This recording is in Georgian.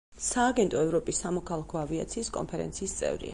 სააგენტო ევროპის სამოქალაქო ავიაციის კონფერენციის წევრია.